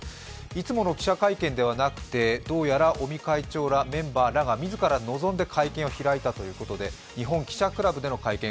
いつもの記者会見ではなくてどうやら尾身会長らメンバーが自ら望んで会見を開いたということで日本記者クラブでの会見。